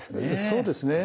そうですね。